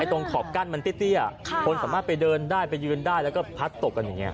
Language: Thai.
ขอบกั้นมันเตี้ยคนสามารถไปเดินได้ไปยืนได้แล้วก็พัดตกกันอย่างนี้